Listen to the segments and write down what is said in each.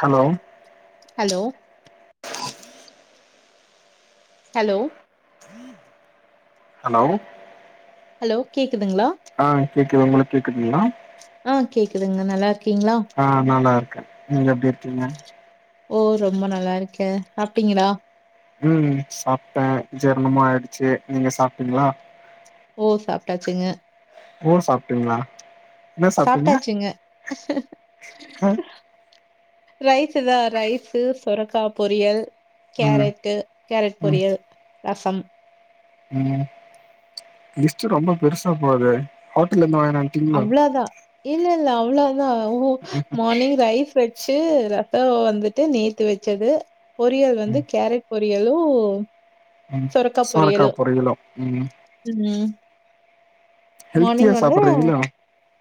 Hello hello hello hello hello கேக்குதுங்களா ஆஹ் கேக்குது உங்களுக்கு கேக்குதுங்களா ஆஹ் கேக்குதுங்க நல்லா இரு ஆஹ் நல்லா இருக்க நீங்க எப்டி இருக்கீங்க ஓ ரொம்ப நல்லா இருக்கே சாப்டிங்களா ம் சாப்ட்டே ஜீர்ணமும் ஆயிடுச்சு நீங்க சாப்டீங்களா ஓ சாப்ட்டாச்சுங்க ஓ சாப்ட்டீங்களா என்ன சாப்ட்டீங்க சாப்ட்டாச்சுங்க அ ரைஸ்தா ரைஸு சொரக்கா பொரியல் ம் கேரட்டு கேரட் ம் பொரியல் ரசம் ம் லிஸ்ட்டு ரொம்ப பெருசா போதே ஹோட்டல இருந்து வாங் அவ்ளோ தா இல்ல இல்ல அவ்ளோ தா ஓ ம் மார்னிங் ரைஸ் வச்சு ஒ வந்துட்டு நேத்து வச்சது பொரியல் வந்து ம் கேரட் பொரியலு ம் சொரக்கா சோரக்கா பொரியலு ம் ம் ஹெல்த்தியா மானிங் வந்து சாப்டுறீங்களோ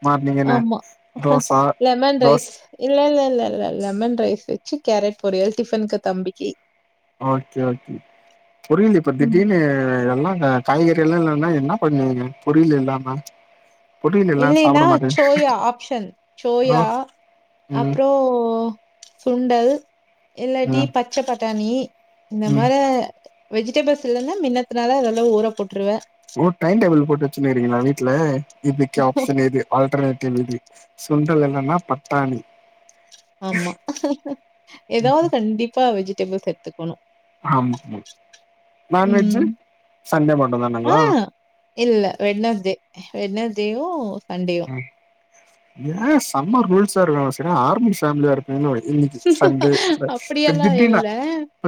மார்னிங் என்ன ஆமா தோச லெமன் தோஸ் ரைஸ் இல்ல இல்ல இல்ல இல்ல லெமன் ரைஸ் வச்சு கேரட் பொரியல் டிஃபன்கு தம்பிக்கு ஓகே ஓகே புரிது இப்ப ம் திடீர்னு எல்லா ஆ காய்கறி எல்லா இல்லன்னா என்ன பண்ணுவீங்க பொரியல் இல்லாம பொரியல் எல்லா இல்லைன்னா சாப்ட மாட்டே சோயா ஆப்ஷன் ஓ சோயா ம் அப்புறோ சுண்டல் இல்லாட்டி ம் பச்சை பட்டாணி இந்த ம் மார வெஜிடபிள்ஸ் இல்லன்னா மின்னத்தனால அதெளவு ஊற போட்டுருவ ஓ டைம் டேபிள் போட்டு வச்சுன்னீங்களா வீட்ல இதுக்கு ஆப்ஷன் இது ஆல்டர்னேட்டிவ் இது சுண்டல் இல்லன்னா பட்டாணி ஆமா ஏதாவது கண்டிப்பா வெஜிடபிள்ஸ் எடுத்துக் ஆமா ஆமா நான்வெஜ்ஜு ம் சண்டே ஆ மட்டந்தானங்களா இல்ல வெண்ணஸ்டே வெண்ணஸ்டேவு ஏ செம்ம ரூல்ஸா இருக்க சரிய ஆர்மி ஃபேமிலியா இருக் இன்னிக்கி சண்டே [unintelligible]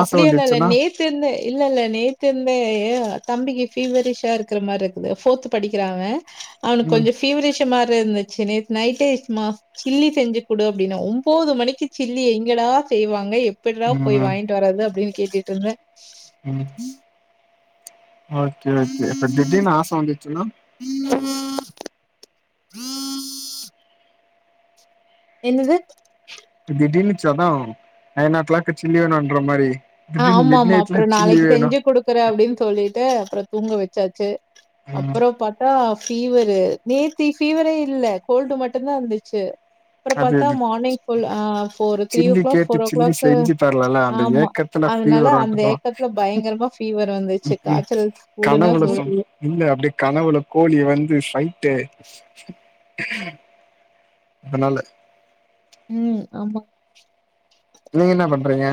ஆச அப்படிய இல்ல வந்துச்சுன்னா நேத்து இருந்து இல்ல இல்ல நேத்து இர்ந் ஏ தம்பிக்கு ஃபீவரிஷா இருக்கிற மாரி இருக்குது போர்த் படிக்கிறா அவ அவனுக்கு ம் கொஞ்ச ஃபீவரிஷா மாரி இருந்துச்சு நேத்து நைட்டே மா சில்லி செஞ்சு கொடு அப்படினா ஒம்போது மணிக் சில்லி எங்கடா செய்வாங்க எப்படிடா போய் ம் வாங்கிட்டு வரது அப்படின்னு கேட்டுட்டு இருந்த ம் ஓகே ஓகே இப்ப திடீனு ஆச வந்துச்சுன்னா ூ என்னது திடீர்னுச்ச தா நைன் ஒ கிளாக் சில்லி வேணுன்ற மாரி திடீர்னு ஆமா மிட் ஆமா நைட்ல அப்புற சில்லி நாளைக்கு வேணு செஞ்சு கொடுக்குறே அப்படினு சொல்லிட்டு அப்புற தூங்க வச்சாச்சு ம் அப்புற பாத்தா ஃபீவரு நேத்தி ஃபீவரே இல்ல கோல்டு மட்டுந்தா இருந்துச்சு அப்புற அது பாத்தா மார்னிங் ஃபுல் போ த்ரீ ஓ சில்லி கிளாக் கேட்டு போர் ஓ சில்லி கிளாக்கு செஞ்சு தரலல அந்த ஆமா ஏக்கத்துல ஃப்ரீ அதனால அந்த வருன்ட்டுதா ஏக்கத்துல பயங்கரமா ஃபீவர் வந்துச்சு ம் காய்ச்சல் கூடுனா கனவுல சூடு சொல் இல்ல அப்டியே கனவுல கோழி வந்து சை ட்டு அதனால ம் ஆமா நீங்க என்ன பண்றீங்க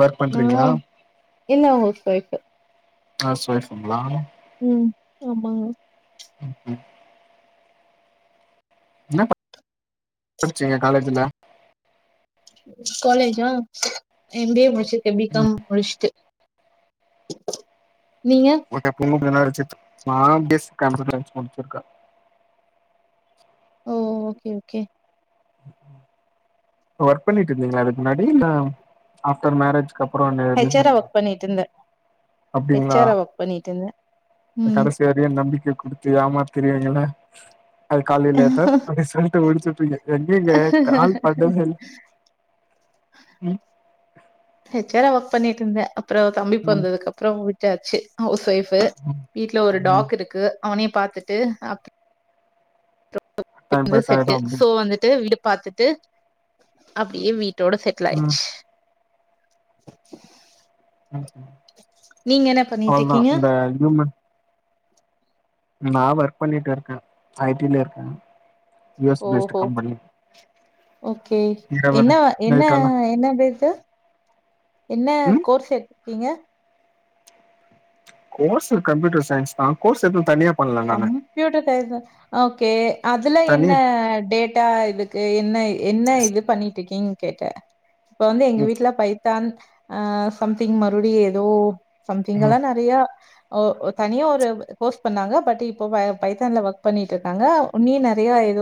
ஒர்க் நா பண்றீங்களா என்ல்ல ஹவுஸ் வொஃப் ஹவுஸ் வொய்ஃபுங்களா ம் ஆமாங்க ம் ம் என்ன ப படிச்சீங்க காலேஜ்ல காலேஜா எம் பி ஏ முடிச்சிருக்க பி காம் முடிச்சிட்டு [inaudible] ஓகே அப்ப இன்னோம் இதனார்ஜித் நா பி எஸ்ஸி கம்பியூட்டர் ச்சி முடிச்சிருக்கே ஓ ஓகே ஓகே ஒர்க் பண்ணிட்டு இருந்தீங்களா இதுக்கு முன்னாடி இல்ல ஆப்டர் மேரேஜ் கப்பறோ ஹெச்ஆரா ரிசைன் வொர்க் பண்ணிட்டு இருந்தேன். அப்டிங்களா ஹெச்ஆரா வொர்க் பண்ணிட்டு இருந்தேன். ம். கடைசியா ரீயென் நம்பிக்க குடுத்து ஏமாத்திரியங்களே ஐல் கால்யூ லேட்ர் அப்டி சொல்ட்டு முடிச்சுட்டீங்க எங்கே கால் பண்ணவேல்ல ம் ஹெ ச் ஆரா ஒர்க் பண்ணிட்டு இருந்தே அப்புறோ தம்பிப் ம் பொறந்ததுக் அப்புறம் விட்டாச்சு ஹவ்ஸ் ஒய்ஃப் கு ம் வீட்ல ஒரு ம் டாக் இருக்கு அவனயு பாத்துட்டு டைம் வ து பாஸ் ஆயிடு செட்டு சோ அப்டின்னு வந்துட்டு வீடுப் பாத்துட்டு அப்டியே வீட்டோட ம் செட்ல்லாயிச்சு [inaudible] ம்ஹும் பண்ணிட்டு அவ்ள்தா இருக்கீங்க இந்த ஹூயூமன் நா ஒர்க்ப் பண்ணிட்டிருக்க ஐ டி லருக்க U S based company okay என்ன என்ன நைட்டெல்லா என்ன டேட்டு என்ன ம் கோர்ஸ் எடுத்தீங்க கோர்ஸு கம்ப்யூட்டர் சைன்ஸு தா கோர்ஸ் எதும் தனியாப் கம்ப்யூட்டர் சைய்ன்ஸ்தா ஓக்கே அதுல தனி என்ன டேட்டா இது க்கு என்ன என்ன இதுப் பண்ணிட்டுக்கீங்கனு கேட்ட இப்பவந்து எங்க ம் வீட்ல பைத்தான் ஆஹ் சம்திங் மறுபடியும் ஏதோ சம்திங்கல்லா ம் நெறையா ஓ ஒர் தனியா ஒரு கோர்ஸ் பண்ணாங்க பட் இப்போ வ பைத்தான்ல ஒக் பண்ணிட்டுருக்காங்க வுன்னியு நெறையா இரு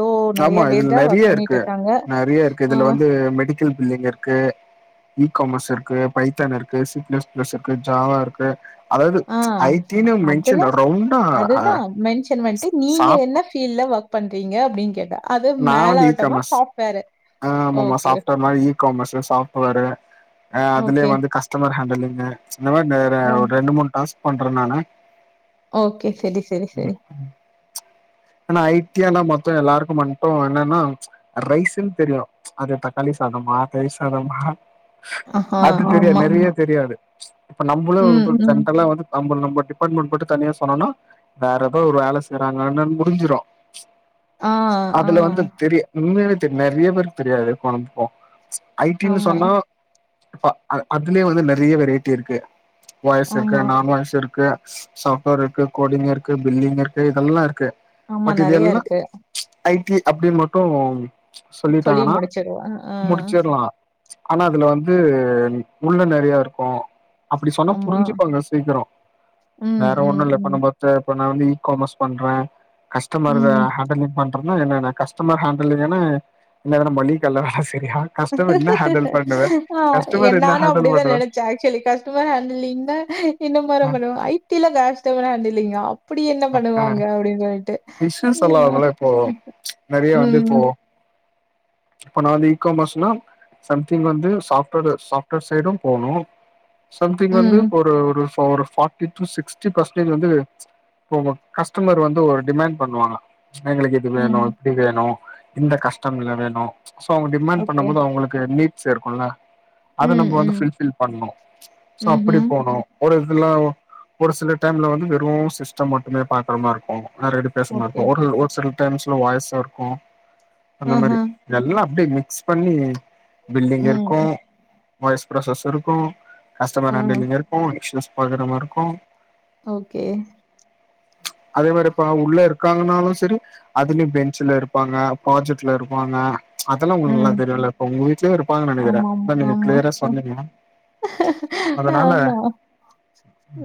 ஆமா இதுல நெறையாருக்கு நெறையாருக்கு ஆ இதுல வந்து மெடிக்கல் பில்லிங் இருக்கு ஈ காமர்ஸ் இருக்கு பைத்தான் இருக்கு சி ப்ளஸ் ப்ளஸ் இருக்கு ஜாவாருக்கு ஆஹ் அதுல ரவுண்டா அதுதா மென்ஷன் பண்ட்டு நீங்க சாப் என்ன ஃபீல்ல ஒர்க் பண்றீங்க அப்டின்னுக் கேட்ட அது மேலோட்டமா சாஃப்ட்வேரு ஆமாம்மா ஓகே சாஃப்ட்வேர் மாரி ஈக்காமர்ஸ் சாஃப்ட்வேரு ஆஹ் அதுலயே ஓகே வந்துக் கஸ்டமர் ஹாண்டலிங் கு இந்த மாரி நெரு ஓ ரெண்டு மூணு டாஸ்க் பண்றே நானு ஓகே செரி செரி செரி ஆனா ஐட்டியால மொத்தொ எல்லாருக்குமட் டோ என்னன்னா ரைஸுன் தெரியும் அதுத் தக்காளி சாதமா தயிர் சாதமா ஆஹா அதுத் தெரியாது ஆமா நெறையாத் தெரியாது இப்ப நம்பளே ம் ஒருப்பு ம் ஜென்ட்ரலா வந்து நம்பல் நம்ப டிப்பார்ட்மண்ட் மட்டுத் தனியா சொன்னோனா வேற ஏதோ ஒரு வேல செய்றாங்கன்னனு முடிஞ்சிரும் ஆ ஆ அதுல வந்துத் தெரியா உண்மயாவேத் தெரி நெறையாப் பேருக்குத் தெரியாது கொலம்பிப்போம் ஐ டின்னு ஆமா சொன்னா ப்ப அதுலயே வந்து நெறைய வெரைட்டி இருக்கு வொய்ர்ஸ்ருக்கு ஆமா நான் வொய்யர்ஸ் இருக்கு ஸ்சாஃப்ட்வேர்ருக்கு கோடிங் இருக்கு பில்லிங் இருக்கு இதெல்லா இருக்கு ஆமா பட் இது நெறையா எல்லா இருக்கு ஐ டி அப்டின் மட்டும் சொல்லி சொல்லிட்டாங்கன்னா முடிச்சிருவா. ஆ முடிச்சிற்லா ஆனா அதுல வந்து உள்ள நொறையாருக்கு அப்டி சொன்னாப் ஆமா. புரிஞ்சுப்பாங்க சீக்கரோ ம், வேற ம், ஒண்ணுல்ல இப்ப ம். நம்பத் தே இப்ப நாவந்து ஈக்காமர்ஸ் பண்றேன் கஸ்டமர்வே ம். ஹேண்டலிங் பண் றன்னா என்னன்ன கஸ்டமர் ஹேண்டலிங்ன்னா என்ன எதனா மள்ளிக் கடயில வேல செய் ஆஹ் கஸ்டமர் என்ன என்னானா ஹேண்டல் அப்டிதான் பண்ணுவ நெனச்சேன் ஆக்ச்சுவலி கஸ்டமர் ஹேண்டலிங்ன்னா இன்ன மாரியா பண்ணுவா ஐ டி ல கஸ்டமர் ஹாண்டலிங்கா அப்புடி என்னப் பண்ணுவாங்க அப்டின்னு சொல்லிட்டு பிஸ்னஸல்லா யா அவங்களேப் போவோ நெறையா வந்துப் ம், போவோ இப்ப நா ந்து இக்காமஸ்னா சம்திங் வந்து சாஃப்ட்வேர் சாஃப்ட்வேர் சைடு போணு சம்திங் வந்து ம், ஒரு ஒரு இப்ப ஒரு ஃபாட்டி டூ சிக்ஸ்ட்டி பர்சன்டேஜ் வந்து போவோ கஸ்டமர் வந்து ஒரு டிமண்ட் பண்ணுவாங்க எங்ளுக்கு இது வேணு ம். இப்டி வேணு இந்த கஷ்டம்ல வேணு சோ அவங்க டிமாண்ட் ஓகே. பண்ணம்போது அவுங்குளுக்கு நீட்ஸ் இருக்குல்ல அத ம், நம்ம வந்து ம். ஃபுல் ஃபில் பண்ணு சோ அப்டி ம்ஹ்ம். போணு ஒரு துலா ஒ ஒரு சில டைம்ல வந்து வெறு சிஸ்டம் மட்டுமே பாக்குற மார்ருக்கு நறையாட்டி பேச ஓகே. மாருக்கு ஒரு ஒரு சில டைம்ஸ்ல வாய்ஸ்ஸாருக்கு அந்த மரி ஆஹா. எல்லா அப்டே மிக்ஸ் பண்ணி பில்லிங் ம். இருக்கு வாய்ஸ் ப்ரஸ்சஸ் இருக்கு கஸ்டமர் ஆ. ஹேண்டலிங் இருக்கு [unintelligible] பாக்ற மார்ருக்கு ஓகே அதே மாரிப்பா உள்ள இருக்காங்கன்னாலு செரி அதுலயு பெஞ்சுலருப்பாங்க பாஜட்லருப்பாங்க அதெல்லா உங்ளுக்கு நல்லா ம். தெரியுல இப்ப உங்க வீட்லியு இருப்பாங்க நெனக்குறே ஆமாமா. அதா நீங்க ஆமா. கிளியரா சொன்னீங்க ஆமா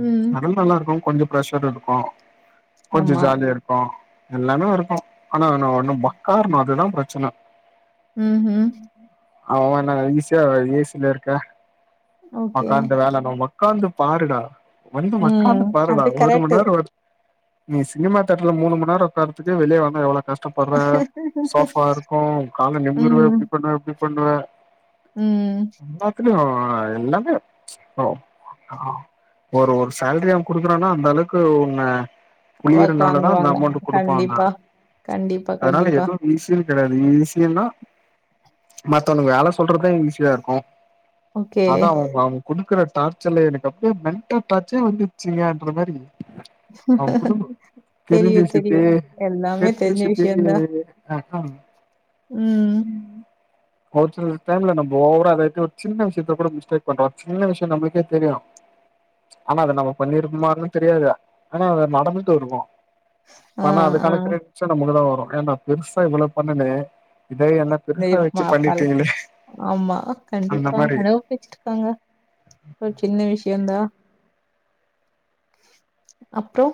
ம். அதுல் நல்லாருக்கு கொஞ்சோ ப்ரஷர் இருக்கு கொஞ்சோ ஆமா. ஜாலியாருக்கு எல்லாமே இருக்கு ஆனா என ஒன்னு ஒக்காருனு அதுதா பிரச்சன ம் ஹூ ம் அவவே என்னா ஈஸியா ஏசில இருக்கே ஓகே [unintelligible] இந்த வேல [unintelligible] ஒக்காந்து பாருடா வந்து மக்காந்து ம் பாருடா அது ஒரு மண் கரெக்ட்டு நேரோ வ நீ சினிமா தேட்ர்ல மூணு மண் நேரொ ஓக்கார்த்துக்கே வெளிய வந்தா எவ்ளோ கஷ்டப்பர்ற சோஃபா இருக்கு கால நிமுருவ ம் இப்டி பண்ணுவ அப்டி பண்ணுவ ம் எல்லாத்துலியு எல்லாமே [inaudible] ஒரு ஒரு சேல்ரி அவ குடுக்குறானா அந்த அளவுக்கு ஒன்ன ஒர்க் புழிறனாலதா அந்த வாங்குவாங்க அமௌண்ட்டு குடுப்பாங்க கண்டிப்பா கண்டிப்பா அதனால கண்டிப்பா எதுவு ஈசி கெடையாது ஈஸின்னா மத்தவனக்கு வேல சொல்றது ஈஸியாருக்கு ஓகே அதா அவ் அவுங் குடுக்குற டார்ச்சர்ல எனக்கு அப்டே மென்டல் டார்ச்சே வந்துச்சுங்கன்ற மாதிரி அவ குடும்ப தெரிஞ்ச தெரியு தெரியு விஷ்த்தே எல்லாமே தெரிஞ்ச விஷ்த்தே விஷயந்தா [unintelligible] ம் ஒரு சில டைம்ல நம்போ ஓவரா எதாச்சு ஒரு சின்ன விஷயத்துல கூட மிஸ்டேக் பண்றோ அது சின்ன விஷ்யோ நம்லுக்கே தெரியு ஆனா அத நம்ம பண்ணிருக்கமான்னு தெரியாது ஆனா அது நடந்துட்டு இருக்கு ஆ ஆனா ஆ அதுக்கான க்ரீட்ஷூ நமக்கு தா வரு ஏ நா பெருசா இவ்ள பண்ணணே [unintelligible] ஆமா அந்த கண்டிப்பா மாரி [unintelligible] ஒரு சின்ன விஷ்யோ தா அப்றோ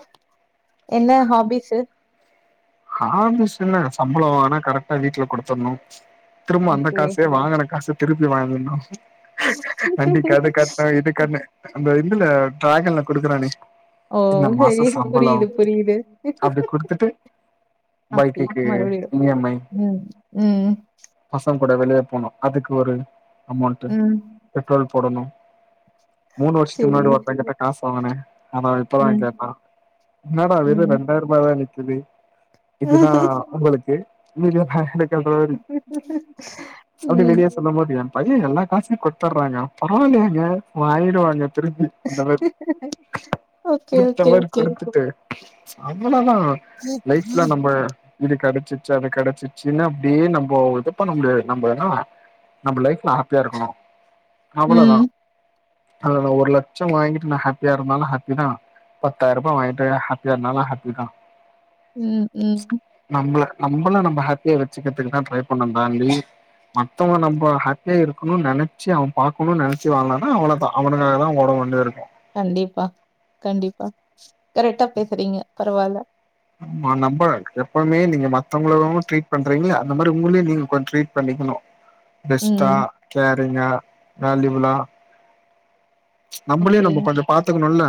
என்ன ஹாபிஸு ஹாபிஸ் என்ன சம்பலோ வாங்குனா கரெக்டா வீட்ல குடுத்துண்ணு திரும்ப அந்த ஓகே காசே வாங்குன காச திருப்பி வாங்கிண்ணு ஆண்ட்டி கது கட்ணு இது கட்ணு அந்த இதுல டிராகன்ல குடுக்குறானே ஓ இந்த சரி மாச சம்பளோ புரியுது புரியுது அப்டி குடுத்துட்டு அப்டி பைக்குக்கு மறுபடியு இ எம் ம் ம் ம் சங்க கூட வெளிய போணு அதுக்கு ஒரு அமௌண்ட்டு ம் பெட்ரோல் போடணு மூணு வர்ஷத்துக்கு முன்னாடி சேரி ஒருத்தன் கிட்ட காசு வாங்குனே அத இப்பதா அவ ம். கேட்டா இன்னாடா வெறு ம். ரெண்டாயிர்ரூபா தா நிக்குது இதுதா ஒங்களுக்கு [unintelligible] [inaudible] அப்டி ம். வெளிய சொல்ல [unintelligible] பையன் எல்லா காசுயு குத்துர்றாங் பரவால்லயேங்க [unintelligible] ஆயிரூவாங்க திரும்பி [unintelligible] ஓகே, குடுத்த ஓகே, மாரி ஓகே. குடுத்துட்டு அவ்ளதா லைஃப்ல நம்ம இது கெடச்சிர்ச்சு அது கெடச்சிர்ச்சுன்னு அப்டியே நம்ப இது பண்ண முடியாது நம்ப ஏனா நம்ப லைஃப்ல ஹாப்பியா இருக்கணு அவளதா ம். அதாதா ஒரு லட்ச வாங்கிட்டு நா ஹாப்பியா இருந்தாலு ஹாப்பிதா பத்தாயிர்ரூபா வாங்கிட்டு நா ஹாப்பியா இருந்தாலு ஹாப்பிதா ம் ம் நம்பள நம்ப ஹாப்பியா வச்சுக்கிறத்துக்கு தா ட்ரை பண்ணோ பான்லி மத்தவ்ங்க நம்ப ஹாப்பியா இருக்கணுன் நெனச்சு அவ பாக்கணுன் நெனச்சு வாழ்னா தா அவளதா அவனுங்கக்காக தா ஓட கொண்டுருக்கு கண்டிப்பா கண்டிப்பா கரெக்டா பேசுறீங்க பரவால்ல ஆமா நம்ப எப்பவுமே நீங்க மத்தவ்ங்களயு ட்ரீட் பண்றீங்ளா அந்த மாரி உங்களயு நீங்க கொஞ்ச ட்ரீட் பண்ணிக்கணு பெஸ்டா ம். கேரிங்கா வேல்யுபிளா நம்பளே ஓகே. நம்ப கொஞ்ச பாத்துக்கணுல்ல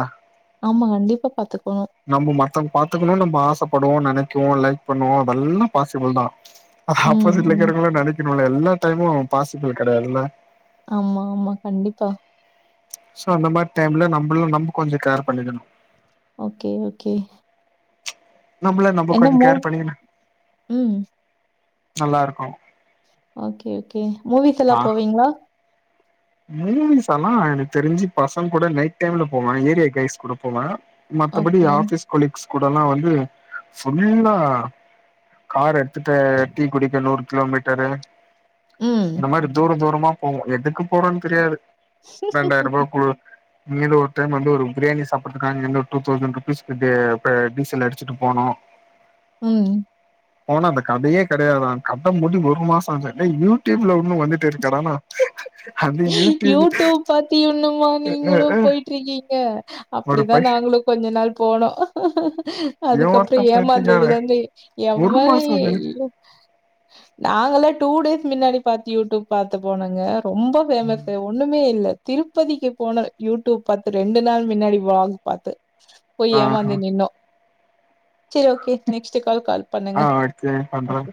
ஆமா, கண்டிப்பா பாத்துக்கணும். நம்ப மத்தவ்ங் பாத்துக்கணுன் நம்ப ஆசப் படுவோ நெனைக்குவோ லைக் பண்ணுவோ அதெல்லா பாசிபிள் தா ம், ஆப்போசிட்ல ம். இருக்கறவ்கள நெனைக்கு என்னோட எல்லா டைமு பாசிபிள் கெடையாதுல்ல ஆமா ஆமா கண்டிப்பா சோ அந்த மாரி டைம்ல நம்பளு நம்ம கொஞ்ச கேர் பண்ணிக்கணு ஓகே ஓகே நம்பள நம்ப என்ன கொஞ்ச மூ கேர் பண்ணிக்கணு ம். நல்லா இருக்கு ஓகே ஓகே மூவிக்கெல்லா போவீங்ளா மூவிஸெல்லா எனக்கு தெரிஞ்சு பசங்கூட நைட் டைம்ல போவே ஏரியா காய்ஸ் கூட போவே மத்தபடி ஓகே. ஆஃபிஸ் கொலீக்ஸ் கூடல்லா வந்து ஃபுல்லா கார எட் த்துட்டு டீ குடிக்க நூறு கிலோமீட்டரு ம். இந்த மாரி தூர தூரமா போவோ எதுக்கு போறோன் தெரியாது ரெண்டாயிரூபா குலு இங்கெருந்து ஒரு டைம் வந்து ஒரு பிரியாணி சாப்புட்றதுக்காக இங்கெருந்து ஒரு டூ தௌசண்ட் ருபீஸ்கு இப்டியே பே டீசல் அடிச்சுட்டு போனோ ம் ம் போனா அந்த கதயே கெடையாதா கத மூடி ஒரு மாச ஆச்சா டேய் யூட்யூப்ல உன்னு வந்துட்டே இருக்கேடானா யூட்டூப் பாத்தி இன்னுமா நீங்களு போய்ட்ருக்கீங்க ஒரு அப்டிதா பை நாங்களு கொஞ்ச நாள் போனோ அதுக்கப்றோ ஏமாத்த பைத்தியக்கார ஏமாந்ததுலருந்து ஒரு எவ்வளு மாசோ அது எய்யு நாங்களே டூ டேஸ் மின்னாடி பாத்து யூட்டூப் பாத்து போனங்க ரொம்ப ஃபேமஸு ஒன்னுமே இல்ல திருப்பதிக்கு போன யூட்டூப் பாத்து ரெண்டு நாள் மின்னாடி விளாக் பாத்து போய் ஆஹா ஏமாந்து நின்னோ செரி ஓகே நெக்ஸ்ட்டு கால் கால் ஆ பண்ணுங்க அடுத்து பண்ற ஓகே